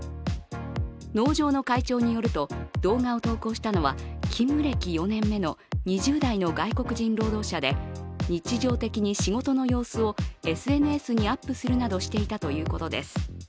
農場の会長によると、動画を投稿したのは勤務歴４年目の２０代の外国人労働者で日常的に仕事の様子をＳＮＳにアップするなどしていたということです。